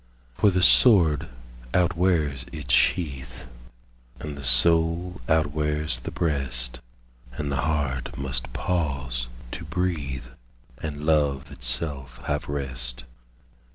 For the sword outwears its sheath, And the soul outwears the breast, And the heart must pause to breathe, And love itself have rest.